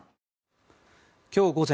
今日午前